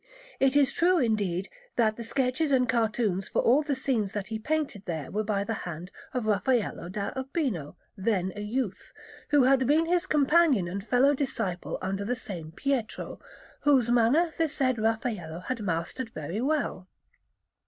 It is true, indeed, that the sketches and cartoons for all the scenes that he painted there were by the hand of Raffaello da Urbino, then a youth, who had been his companion and fellow disciple under the same Pietro, whose manner the said Raffaello had mastered very well.